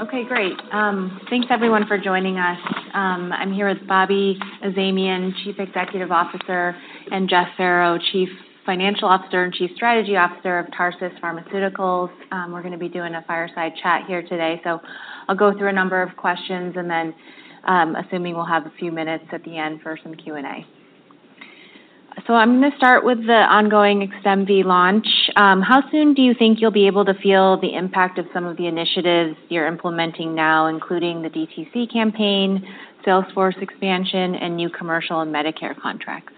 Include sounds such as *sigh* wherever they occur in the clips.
Okay, great. Thanks everyone for joining us. I'm here with Bobak Azamian, Chief Executive Officer, and Jeff Ferro, Chief Financial Officer and Chief Strategy Officer of Tarsus Pharmaceuticals. We're gonna be doing a fireside chat here today, so I'll go through a number of questions, and then, assuming we'll have a few minutes at the end for some Q&A, so I'm gonna start with the ongoing XDEMVY launch. How soon do you think you'll be able to feel the impact of some of the initiatives you're implementing now, including the DTC campaign, sales force expansion, and new commercial and Medicare contracts?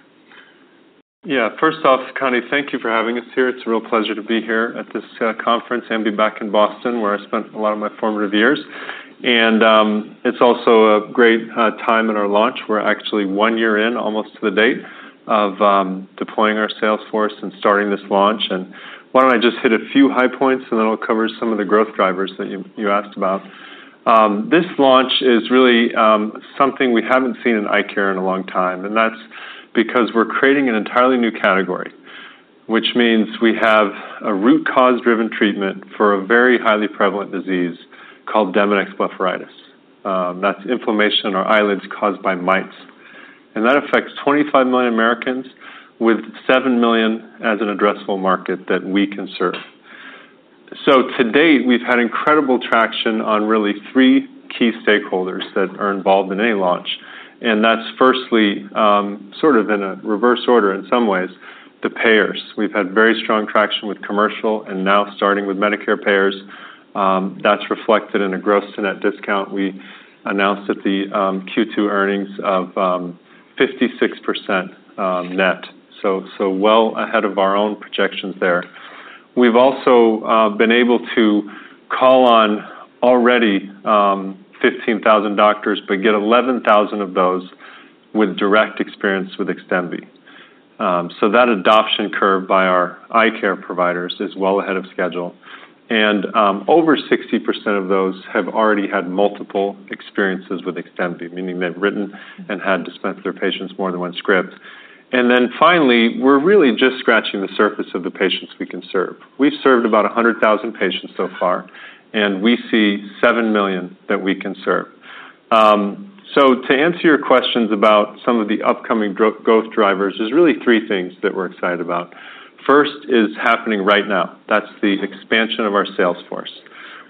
Yeah. First off, Connie, thank you for having us here. It's a real pleasure to be here at this conference and be back in Boston, where I spent a lot of my formative years. It's also a great time in our launch. We're actually one year in, almost to the date, of deploying our sales force and starting this launch. Why don't I just hit a few high points, and then I'll cover some of the growth drivers that you asked about. This launch is really something we haven't seen in eye care in a long time, and that's because we're creating an entirely new category, which means we have a root-cause-driven treatment for a very highly prevalent disease called Demodex blepharitis. That's inflammation in our eyelids caused by mites, and that affects 25 million Americans, with seven million as an addressable market that we can serve, so to date, we've had incredible traction on really three key stakeholders that are involved in any launch, and that's firstly, sort of in a reverse order in some ways, the payers. We've had very strong traction with commercial and now starting with Medicare payers. That's reflected in a gross-to-net discount. We announced at the Q2 earnings of 56% net, so well ahead of our own projections there. We've also been able to call on already 15,000 doctors, but get 11,000 of those with direct experience with XDEMVY, so that adoption curve by our eye care providers is well ahead of schedule. Over 60% of those have already had multiple experiences with XDEMVY, meaning they've written and had dispensed their patients more than one script. And then finally, we're really just scratching the surface of the patients we can serve. We've served about 100,000 patients so far, and we see seven million that we can serve. So to answer your questions about some of the upcoming growth drivers, there's really three things that we're excited about. First is happening right now. That's the expansion of our sales force.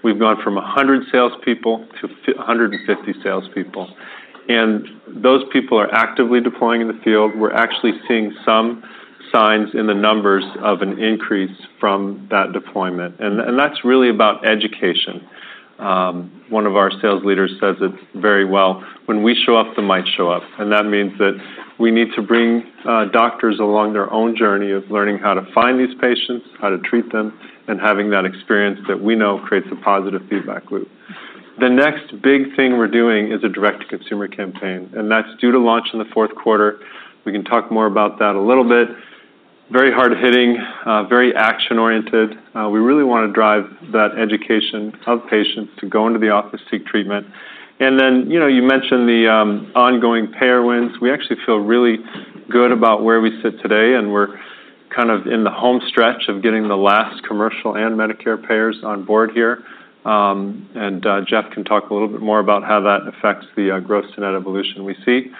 We've gone from 100 salespeople to 150 salespeople, and those people are actively deploying in the field. We're actually seeing some signs in the numbers of an increase from that deployment, and that's really about education. One of our sales leaders says it very well, "When we show up, the mites show up." And that means that we need to bring doctors along their own journey of learning how to find these patients, how to treat them, and having that experience that we know creates a positive feedback loop. The next big thing we're doing is a direct-to-consumer campaign, and that's due to launch in the Q4. We can talk more about that a little bit. Very hard-hitting, very action-oriented. We really wanna drive that education of patients to go into the office, seek treatment. And then, you know, you mentioned the ongoing payer wins. We actually feel really good about where we sit today, and we're kind of in the home stretch of getting the last commercial and Medicare payers on board here. And, Jeff can talk a little bit more about how that affects the gross-to-net evolution we see.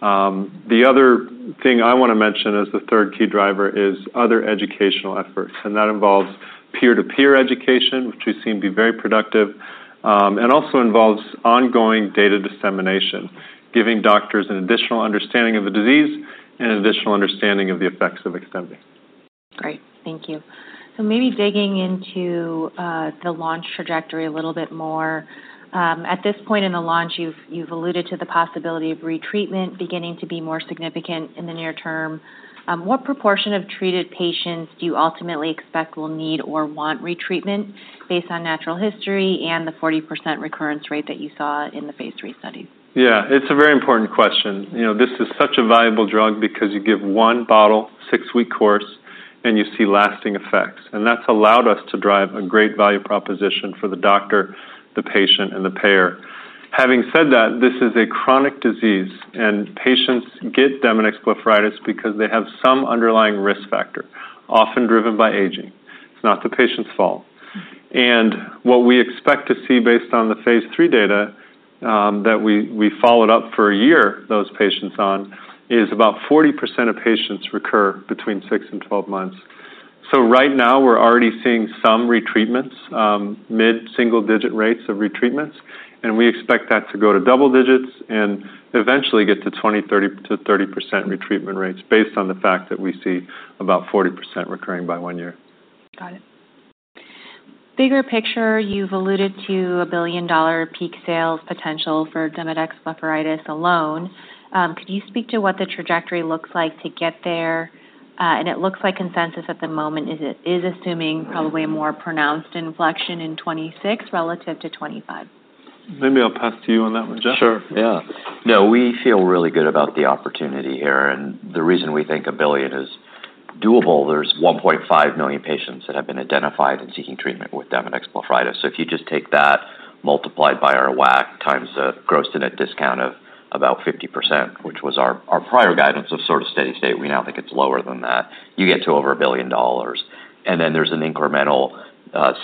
The other thing I wanna mention as the third key driver is other educational efforts, and that involves peer-to-peer education, which we've seen be very productive, and also involves ongoing data dissemination, giving doctors an additional understanding of the disease and additional understanding of the effects of XDEMVY. Great. Thank you. So maybe digging into the launch trajectory a little bit more. At this point in the launch, you've alluded to the possibility of retreatment beginning to be more significant in the near term. What proportion of treated patients do you ultimately expect will need or want retreatment based on natural history and the 40% recurrence rate that you saw in the Phase 3 study? Yeah, it's a very important question. You know, this is such a valuable drug because you give one bottle, six-week course, and you see lasting effects, and that's allowed us to drive a great value proposition for the doctor, the patient, and the payer. Having said that, this is a chronic disease, and patients get Demodex blepharitis because they have some underlying risk factor, often driven by aging. It's not the patient's fault, and what we expect to see based on the Phase 3 data that we followed up for a year, those patients is about 40% of patients recur between six and 12 months. Right now, we're already seeing some retreatments, mid-single-digit rates of retreatments, and we expect that to go to double-digits and eventually get to 20, 30% retreatment rates based on the fact that we see about 40% recurring by one year. Got it. Bigger picture, you've alluded to a billion-dollar peak sales potential for Demodex blepharitis alone. Could you speak to what the trajectory looks like to get there, and it looks like consensus at the moment is assuming probably a more pronounced inflection in 2026 relative to 2025. Maybe I'll pass to you on that one, Jeff. Sure, yeah. No, we feel really good about the opportunity here, and the reason we think a billion is doable, there's 1.5 million patients that have been identified in seeking treatment with Demodex blepharitis. So if you just take that, multiplied by our WAC, times the gross-to-net discount of about 50%, which was our prior guidance of sort of steady state. We now think it's lower than that. You get to over a billion dollars, and then there's an incremental,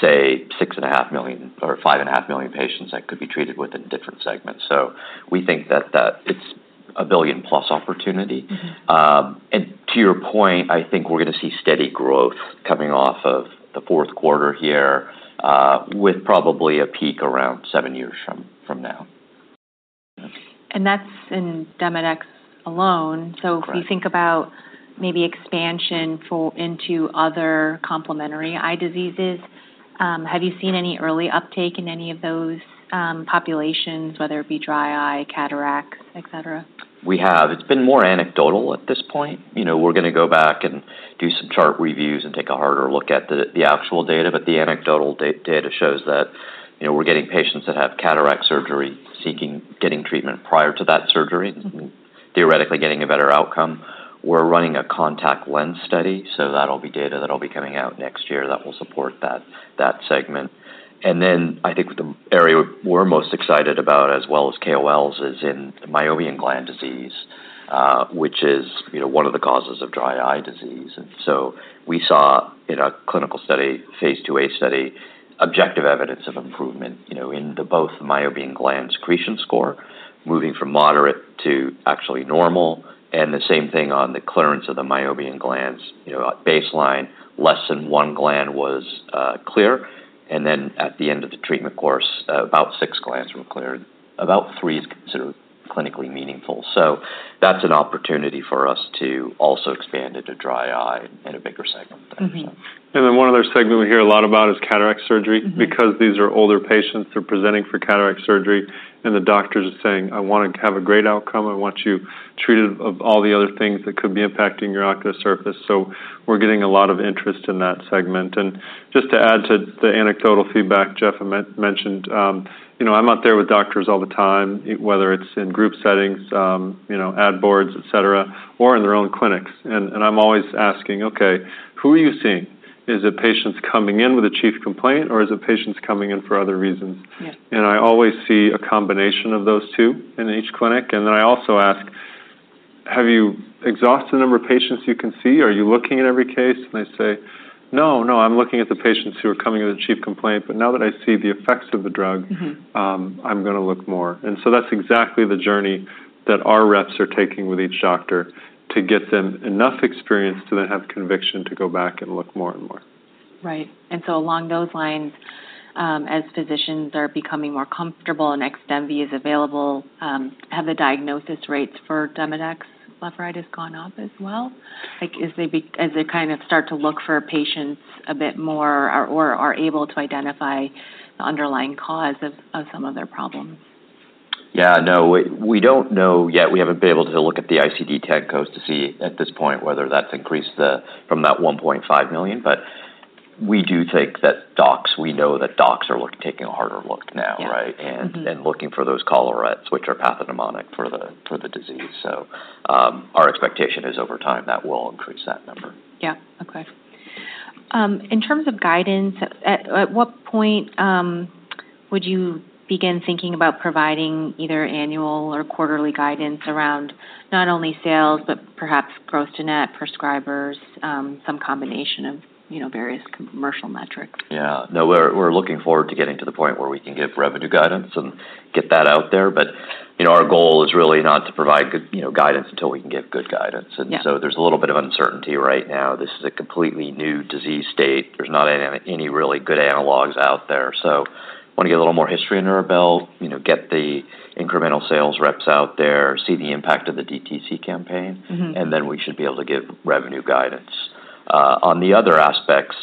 say, 6.5 million or 5.5 million patients that could be treated within different segments. So we think that it's a billion-plus opportunity. And to your point, I think we're gonna see steady growth coming off of the Q4 here, with probably a peak around seven years from now. That's in Demodex alone. So if we think about maybe expansion into other complementary eye diseases, have you seen any early uptake in any of those populations, whether it be dry eye, cataracts, et cetera? We have. It's been more anecdotal at this point. You know, we're gonna go back and do some chart reviews and take a harder look at the actual data. But the anecdotal data shows that, you know, we're getting patients that have cataract surgery seeking, getting treatment prior to that surgery, theoretically, getting a better outcome. We're running a contact lens study, so that'll be data that'll be coming out next year that will support that, that segment. And then I think the area we're most excited about, as well as KOLs, is in meibomian gland disease, which is, you know, one of the causes of dry eye disease. And so we saw in a clinical study, Phase IIa study, objective evidence of improvement, you know, in the both meibomian gland secretion score, moving from moderate to actually normal, and the same thing on the clearance of the meibomian glands. You know, at baseline, less than one gland was clear, and then at the end of the treatment course, about six glands were cleared. About three is considered clinically meaningful. So that's an opportunity for us to also expand into dry eye in a bigger segment. One other segment we hear a lot about is cataract surgery. Because these are older patients, they're presenting for cataract surgery, and the doctors are saying, I want to have a great outcome. I want you treated of all the other things that could be impacting your ocular surface. So we're getting a lot of interest in that segment. And just to add to the anecdotal feedback Jeff mentioned, you know, I'm out there with doctors all the time, whether it's in group settings, you know, ad boards, et cetera, or in their own clinics, and I'm always asking, "Okay, who are you seeing? Is it patients coming in with a chief complaint, or is it patients coming in for other reasons? Yeah. And I always see a combination of those two in each clinic. And then I also ask, "Have you exhausted the number of patients you can see? Are you looking at every case?" And they say, "No, no, I'm looking at the patients who are coming in with a chief complaint, but now that I see the effects of the drug- I'm gonna look more," and so that's exactly the journey that our reps are taking with each doctor to get them enough experience so they have conviction to go back and look more and more. Right. And so along those lines, as physicians are becoming more comfortable and XDEMVY is available, have the diagnosis rates for Demodex blepharitis gone up as well? Like, as they kind of start to look for patients a bit more or are able to identify the underlying cause of some of their problems. Yeah. No, we don't know yet. We haven't been able to look at the ICD-10 codes to see at this point whether that's increased from that 1.5 million. But we do think that. We know that docs are taking a harder look now, right? Looking for those collarettes, which are pathognomonic for the disease. Our expectation is, over time, that will increase that number. Yeah. Okay. In terms of guidance, at what point would you begin thinking about providing either annual or quarterly guidance around not only sales, but perhaps gross-to-net prescribers, some combination of, you know, various commercial metrics? Yeah. No, we're looking forward to getting to the point where we can give revenue guidance and get that out there. But, you know, our goal is really not to provide good, you know, guidance until we can give good guidance. Yeah. And so there's a little bit of uncertainty right now. This is a completely new disease state. There's not any really good analogs out there. So wanna get a little more history under our belt, you know, get the incremental sales reps out there, see the impact of the DTC campaign and then we should be able to give revenue guidance. On the other aspects,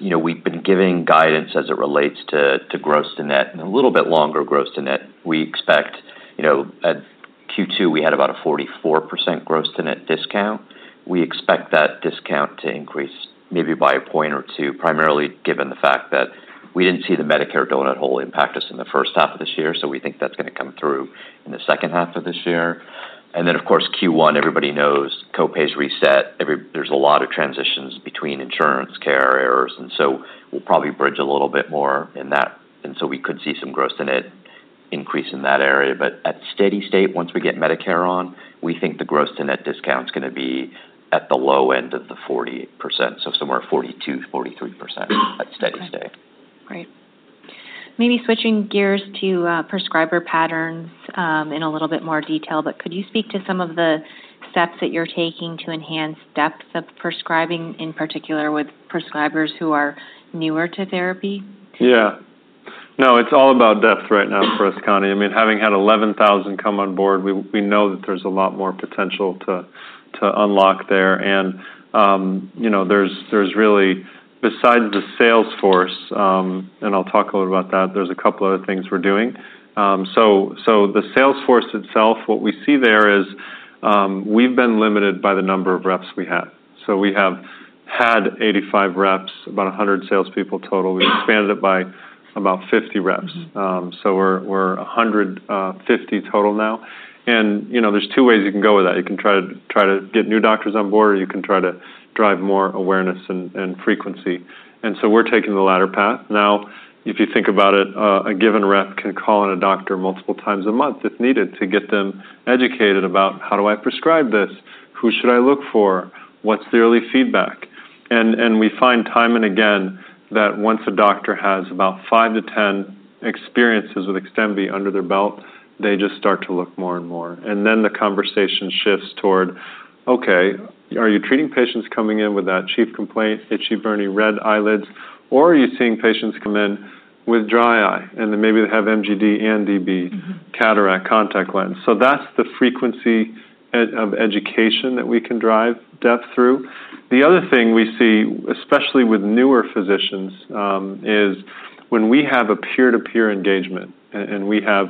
you know, we've been giving guidance as it relates to gross-to-net and a little bit longer gross-to-net. We expect. You know, at Q2, we had about a 44% gross-to-net discount. We expect that discount to increase maybe by a point or two, primarily given the fact that we didn't see the Medicare donut hole impact us in the first half of this year, so we think that's gonna come through in the second half of this year. And then, of course, Q1, everybody knows, co-pays reset. There's a lot of transitions between insurance carriers, and so we'll probably bridge a little bit more in that, and so we could see some gross-to-net increase in that area. But at steady state, once we get Medicare on, we think the gross-to-net discount is gonna be at the low end of the 40%, so somewhere 42%-43% at steady state. Right. Maybe switching gears to prescriber patterns, in a little bit more detail, but could you speak to some of the steps that you're taking to enhance depth of prescribing, in particular with prescribers who are newer to therapy? Yeah. No, it's all about depth right now for us, Connie. I mean, having had 11,000 come on board, we know that there's a lot more potential to unlock there, and you know, there's really, besides the sales force, and I'll talk a little about that, there's a couple other things we're doing. The sales force itself, what we see there is, we've been limited by the number of reps we have. So we have had 85 reps, about 100 salespeople total. We expanded it by about 50 reps. So we're a 150 total now. And, you know, there's two ways you can go with that. You can try to get new doctors on board, or you can try to drive more awareness and frequency. And so we're taking the latter path. Now, if you think about it, a given rep can call on a doctor multiple times a month, if needed, to get them educated about, how do I prescribe this? Who should I look for? What's the early feedback? And we find time and again that once a doctor has about five to 10 experiences with XDEMVY under their belt, they just start to look more and more. And then the conversation shifts toward, "Okay, are you treating patients coming in with that chief complaint, itchy, burning red eyelids, or are you seeing patients come in with dry eye, and then maybe they have MGD and DB cataract contact lens?" So that's the frequency of education that we can drive depth through. The other thing we see, especially with newer physicians, is when we have a peer-to-peer engagement, and we have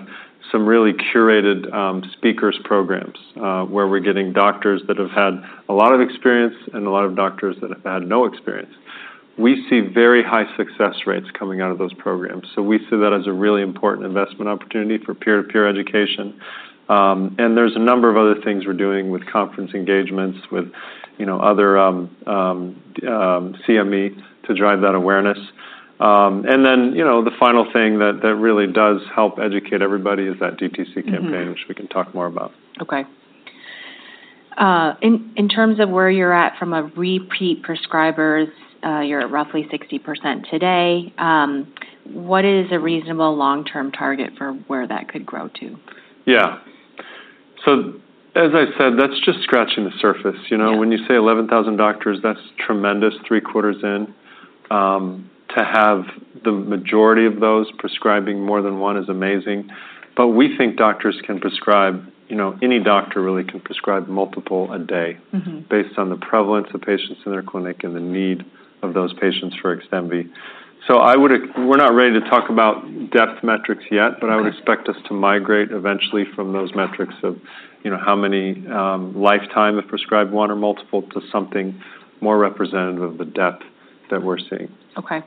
some really curated, speakers programs, where we're getting doctors that have had a lot of experience and a lot of doctors that have had no experience, we see very high success rates coming out of those programs. So we see that as a really important investment opportunity for peer-to-peer education. And there's a number of other things we're doing with conference engagements, with, you know, other CME to drive that awareness. And then, you know, the final thing that really does help educate everybody is that DTC campaign- which we can talk more about. Okay. In terms of where you're at from a repeat prescribers, you're at roughly 60% today. What is a reasonable long-term target for where that could grow to? Yeah. So as I said, that's just scratching the surface. You know, when you say eleven thousand doctors, that's tremendous three quarters in. To have the majority of those prescribing more than one is amazing. But we think doctors can prescribe, you know, any doctor really can prescribe multiple a day, based on the prevalence of patients in their clinic and the need of those patients for XDEMVY. So I would, we're not ready to talk about depth metrics yet. but I would expect us to migrate eventually from those metrics of, you know, how many lifetime have prescribed one or multiple, to something more representative of the depth that we're seeing. Okay,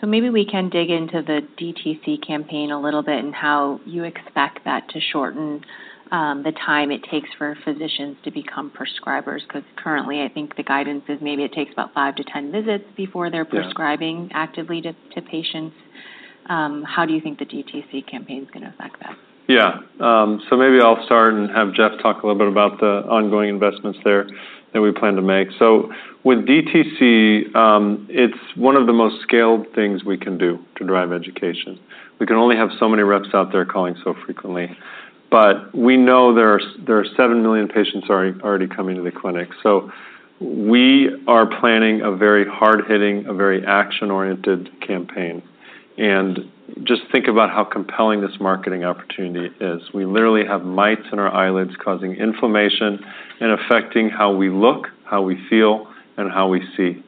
so maybe we can dig into the DTC campaign a little bit and how you expect that to shorten the time it takes for physicians to become prescribers. Because currently, I think the guidance is maybe it takes about five to 10 visits before they're prescribing actively to patients. How do you think the DTC campaign is going to affect that? Yeah. So maybe I'll start and have Jeff talk a little bit about the ongoing investments there that we plan to make. So with DTC, it's one of the most scaled things we can do to drive education. We can only have so many reps out there calling so frequently. But we know there are seven million patients already coming to the clinic, so we are planning a very hard-hitting, a very action-oriented campaign. And just think about how compelling this marketing opportunity is. We literally have mites in our eyelids causing inflammation and affecting how we look, how we feel, and how we see.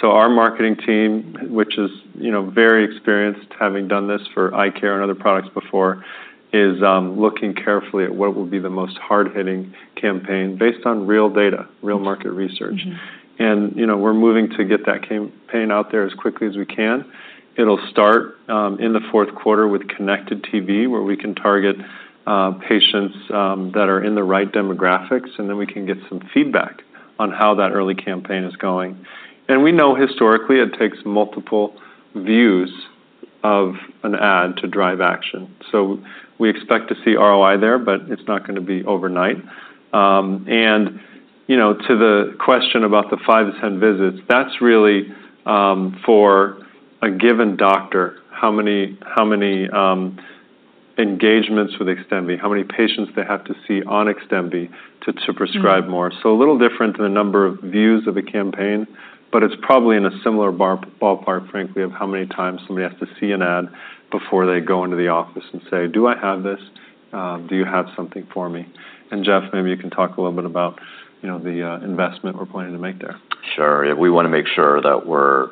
So our marketing team, which is, you know, very experienced, having done this for eye care and other products before, is looking carefully at what will be the most hard-hitting campaign based on real data, real market research. And, you know, we're moving to get that campaign out there as quickly as we can. It'll start in the Q4 with connected TV, where we can target patients that are in the right demographics, and then we can get some feedback on how that early campaign is going. And we know historically it takes multiple views of an ad to drive action. So we expect to see ROI there, but it's not gonna be overnight. And, you know, to the question about the five to 10 visits, that's really for a given doctor, how many engagements with XDEMVY, how many patients they have to see on XDEMVY to prescribe more. So a little different than the number of views of the campaign, but it's probably in a similar ballpark, frankly, of how many times somebody has to see an ad before they go into the office and say: Do I have this? Do you have something for me? And, Jeff, maybe you can talk a little bit about, you know, the investment we're planning to make there. Sure. We want to make sure that we're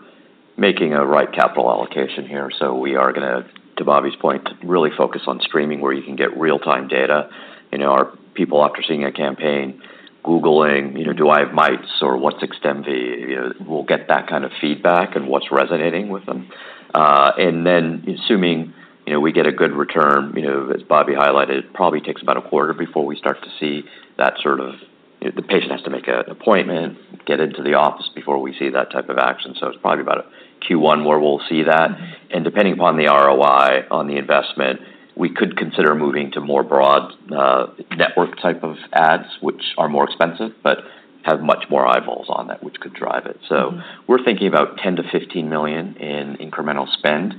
making a right capital allocation here. So we are gonna, to Bobby's point, really focus on streaming, where you can get real-time data. You know, are people, after seeing a campaign, Googling, you know, "Do I have mites," or, "What's XDEMVY?" You know, we'll get that kind of feedback and what's resonating with them. And then assuming, you know, we get a good return, you know, as Bobby highlighted, it probably takes about a quarter before we start to see that sort of, the patient has to make an appointment, get into the office before we see that type of action. So it's probably about Q1, where we'll see that. Depending upon the ROI on the investment, we could consider moving to more broad network type of ads, which are more expensive, but have much more eyeballs on that, which could drive it. So we're thinking about $10 million-$15 million in incremental spend,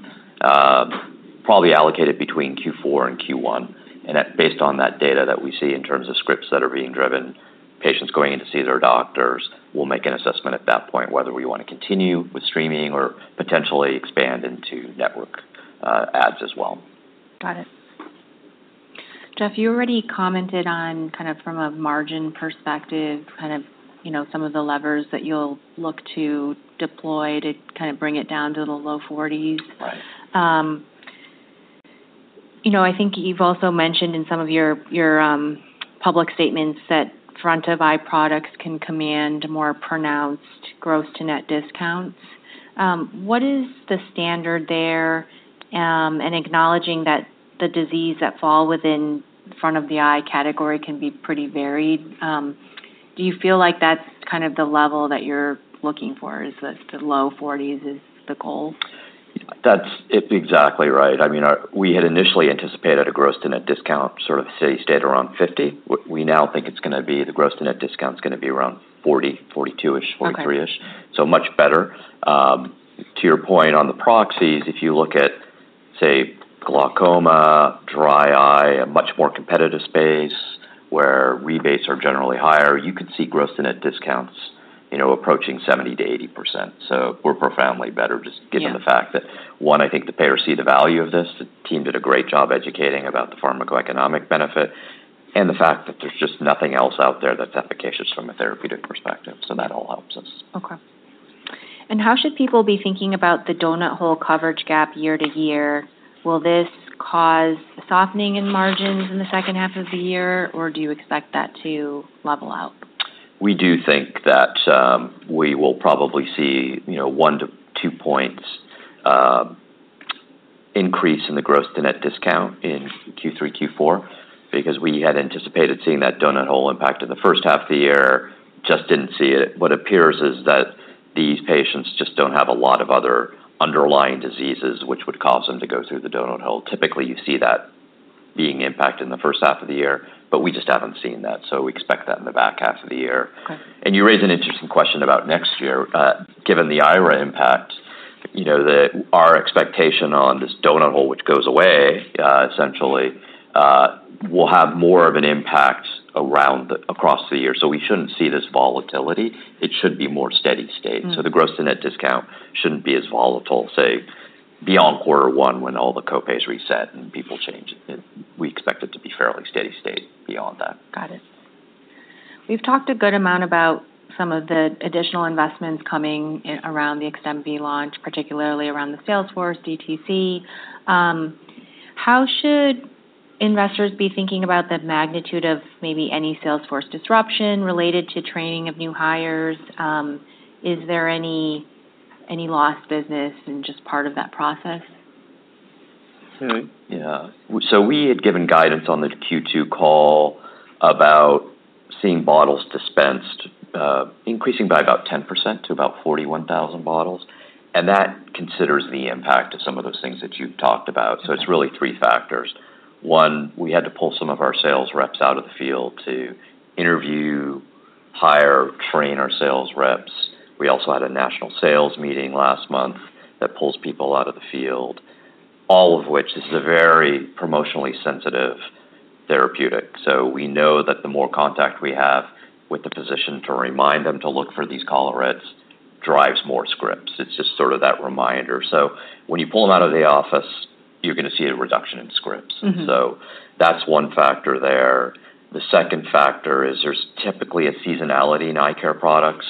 probably allocated between Q4 and Q1, and based on that data that we see in terms of scripts that are being driven, patients going in to see their doctors. We'll make an assessment at that point, whether we want to continue with streaming or potentially expand into network ads as well. Got it. Jeff, you already commented on, kind of from a margin perspective, kind of, you know, some of the levers that you'll look to deploy to kind of bring it down to the low 40s. Right. You know, I think you've also mentioned in some of your public statements that front-of-eye products can command more pronounced gross-to-net discounts. What is the standard there, and acknowledging that the disease that fall within front of the eye category can be pretty varied, do you feel like that's kind of the level that you're looking for? Is the low 40s the goal? it. It's exactly right. I mean, we had initially anticipated a gross-to-net discount, sort of steady state around 50%. We now think it's gonna be. The gross-to-net discount's gonna be around 40%, 42-ish, 43-ish. So much better. To your point on the proxies, if you look at, say, glaucoma, dry eye, a much more competitive space where rebates are generally higher, you could see gross-to-net discounts, you know, approaching 70%-80%. So we're profoundly better just given the fact that, one, I think the payers see the value of this. The team did a great job educating about the pharmacoeconomic benefit and the fact that there's just nothing else out there that's efficacious from a therapeutic perspective, so that all helps us. Okay. And how should people be thinking about the donut hole coverage gap year to year? Will this cause softening in margins in the second half of the year, or do you expect that to level out? We do think that we will probably see, you know, one to two points increase in the gross-to-net discount in Q3, Q4, because we had anticipated seeing that donut hole impact in the first half of the year, just didn't see it. What appears is that these patients just don't have a lot of other underlying diseases, which would cause them to go through the donut hole. Typically, you see that being impacted in the first half of the year, but we just haven't seen that, so we expect that in the back half of the year. And you raise an interesting question about next year. Given the IRA impact, you know, our expectation on this donut hole, which goes away, will have more of an impact across the year. So we shouldn't see this volatility. It should be more steady state. So the gross-to-net discount shouldn't be as volatile, say, beyond quarter one, when all the co-pays reset and people change. We expect it to be fairly steady state beyond that. Got it. We've talked a good amount about some of the additional investments coming in around the XDEMVY launch, particularly around the sales force, DTC. How should investors be thinking about the magnitude of maybe any sales force disruption related to training of new hires? Is there any lost business and just part of that process? Yeah. So we had given guidance on the Q2 call about seeing bottles dispensed increasing by about 10% to about 41,000 bottles, and that considers the impact of some of those things that you've talked about. So it's really three factors. One, we had to pull some of our sales reps out of the field to interview, hire, train our sales reps. We also had a national sales meeting last month that pulls people out of the field, all of which. This is a very promotionally sensitive therapeutic. So we know that the more contact we have with the physician to remind them to look for these collarettes drives more scripts. It's just sort of that reminder. So when you pull them out of the office, you're gonna see a reduction in scripts. That's one factor there. The second factor is there's typically a seasonality in eye care products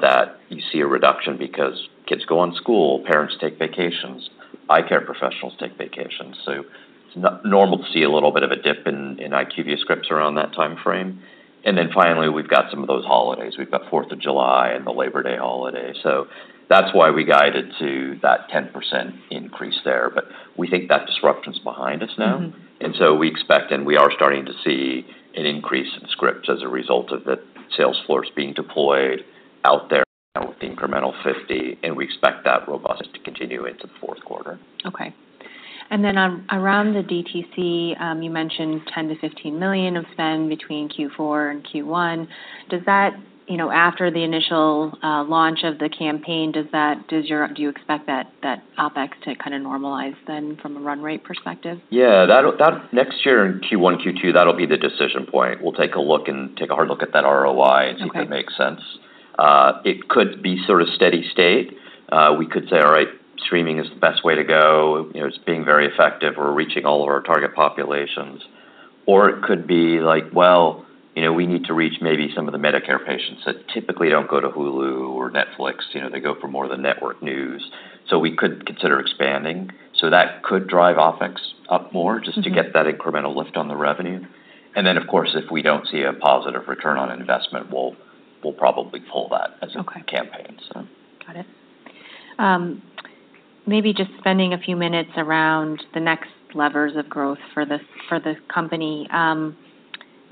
that you see a reduction because kids go to school, parents take vacations, eye care professionals take vacations. It's normal to see a little bit of a dip in IQVIA scripts around that timeframe. And then finally, we've got some of those holidays. We've got Fourth of July and the Labor Day holiday. That's why we guided to that 10% increase there. But we think that disruption's behind us now. And so we expect, and we are starting to see an increase in scripts as a result of the sales force being deployed out there with the incremental 50, and we expect that robustness to continue into the Q4. Okay. And then on, around the DTC, you mentioned $10 million-$15 million of spend between Q4 and Q1. Does that, you know, after the initial launch of the campaign, do you expect that OpEx to kind of normalize then from a run rate perspective? Yeah, that'll next year in Q1, Q2, that'll be the decision point. We'll take a look and take a hard look at that ROI. and see if it makes sense. It could be sort of steady state. We could say, "All right, streaming is the best way to go. You know, it's being very effective. We're reaching all of our target populations." Or it could be like, "Well, you know, we need to reach maybe some of the Medicare patients that typically don't go to Hulu or Netflix. You know, they go for more of the network news." So we could consider expanding. So that could drive OpEx up more, just to get that incremental lift on the revenue. And then, of course, if we don't see a positive return on investment, we'll probably pull that as a campaign, so. Got it. Maybe just spending a few minutes around the next levers of growth for the company.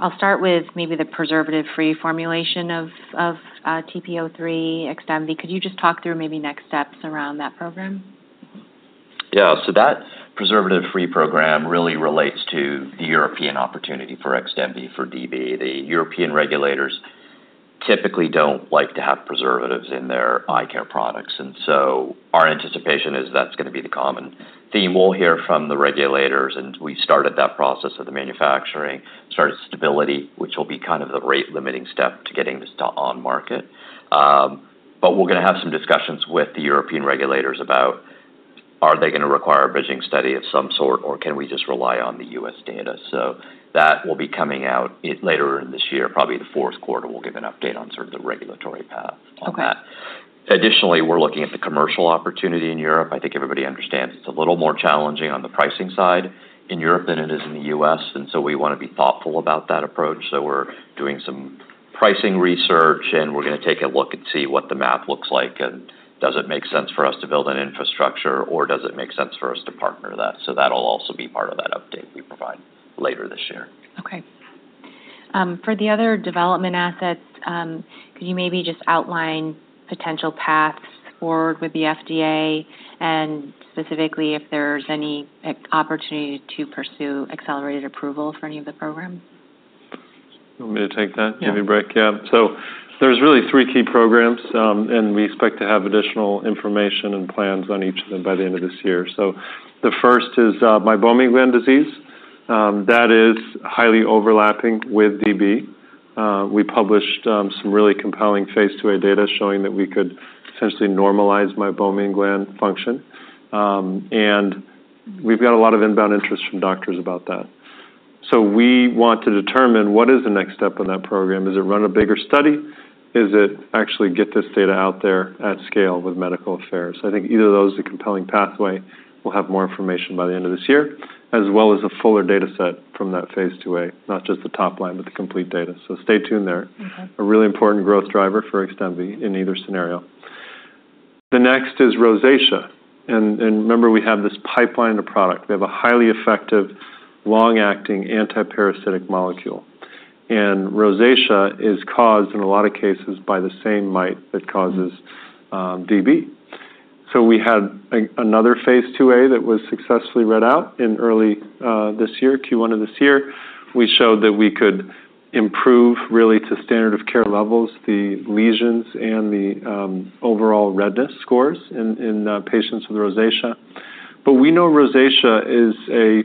I'll start with maybe the preservative-free formulation of TP-03, XDEMVY. Could you just talk through maybe next steps around that program? Yeah. So that preservative-free program really relates to the European opportunity for XDEMVY, for DB. The European regulators typically don't like to have preservatives in their eye care products, and so our anticipation is that's gonna be the common theme we'll hear from the regulators, and we started that process of the manufacturing, started stability, which will be kind of the rate-limiting step to getting this to on market. But we're gonna have some discussions with the European regulators about, are they gonna require a bridging study of some sort, or can we just rely on the U.S. data? So that will be coming out later in this year, probably the Q4. We'll give an update on sort of the regulatory path on that. Additionally, we're looking at the commercial opportunity in Europe. I think everybody understands it's a little more challenging on the pricing side in Europe than it is in the U.S., and so we wanna be thoughtful about that approach. So we're doing some pricing research, and we're gonna take a look and see what the math looks like, and does it make sense for us to build an infrastructure, or does it make sense for us to partner that? So that'll also be part of that update we provide later this year. Okay. For the other development assets, could you maybe just outline potential paths forward with the FDA, and specifically, if there's any opportunity to pursue accelerated approval for any of the programs? You want me to take that, Jamie Brick? Yeah. Yeah. So there's really three key programs, and we expect to have additional information and plans on each of them by the end of this year. So the first is meibomian gland disease, that is highly overlapping with DB. We published some really compelling Phase IIa data showing that we could essentially normalize meibomian gland function. And we've got a lot of inbound interest from doctors about that. So we want to determine what is the next step on that program. Is it run a bigger study? Is it actually get this data out there at scale with medical affairs? I think either of those is a compelling pathway. We'll have more information by the end of this year, as well as a fuller data set from that Phase IIa, not just the top line, but the complete data. So stay tuned there. A really important growth driver for XDEMVY in either scenario. The next is rosacea, and remember, we have this pipeline of product. We have a highly effective, long-acting, anti-parasitic molecule. And rosacea is caused, in a lot of cases, by the same mite that causes DB. So we had another Phase IIa that was successfully read out in early this year, Q1 of this year. We showed that we could improve, really to standard of care levels, the lesions and the overall redness scores in patients with rosacea. But we know rosacea is a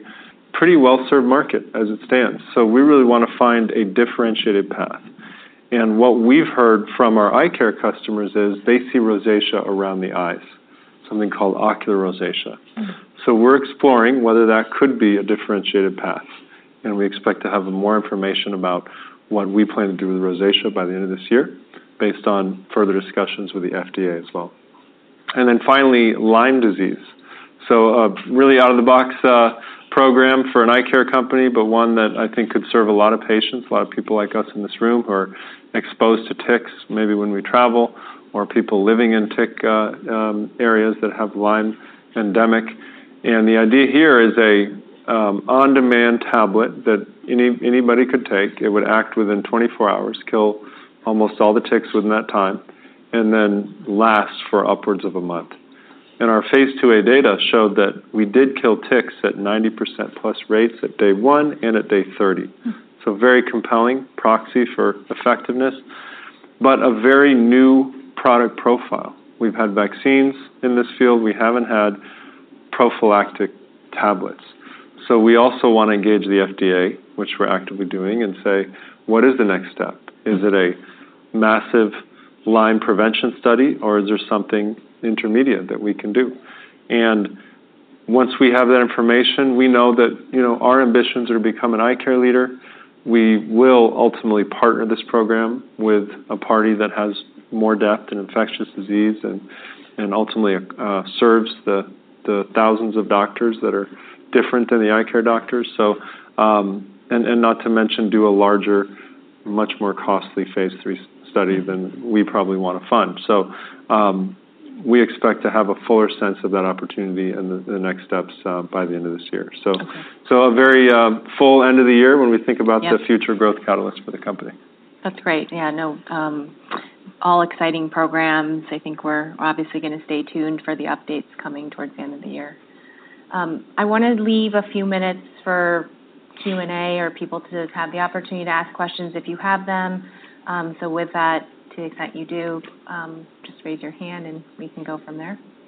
pretty well-served market as it stands, so we really wanna find a differentiated path. And what we've heard from our eye care customers is they see rosacea around the eyes, something called ocular rosacea. So we're exploring whether that could be a differentiated path, and we expect to have more information about what we plan to do with rosacea by the end of this year, based on further discussions with the FDA as well. And then finally, Lyme disease. So a really out-of-the-box program for an eye care company, but one that I think could serve a lot of patients, a lot of people like us in this room, who are exposed to ticks, maybe when we travel, or people living in tick areas that have Lyme endemic. And the idea here is a on-demand tablet that anybody could take. It would act within twenty-four hours, kill almost all the ticks within that time, and then lasts for upwards of a month. Our Phase IIa data showed that we did kill ticks at 90%+ rates at day one and at day 30. So very compelling proxy for effectiveness, but a very new product profile. We've had vaccines in this field. We haven't had prophylactic tablets. So we also wanna engage the FDA, which we're actively doing, and say, "What is the next step? Is it a massive Lyme prevention study, or is there something intermediate that we can do?" And once we have that information, we know that, you know, our ambitions are to become an eye care leader. We will ultimately partner this program with a party that has more depth in infectious disease and ultimately serves the thousands of doctors that are different than the eye care doctors. So, not to mention, do a larger, much more costly Phase 3 study than we probably wanna fund. So, we expect to have a fuller sense of that opportunity and the next steps by the end of this year. So- [cosstalk] Okay. So a very full end of the year when we think about- *crosstalk* Yep The future growth catalyst for the company. That's great. Yeah, no, all exciting programs. I think we're obviously gonna stay tuned for the updates coming towards the end of the year. I wanna leave a few minutes for Q&A, or people to have the opportunity to ask questions if you have them. So with that, to the extent you do, just raise your hand, and we can go from there.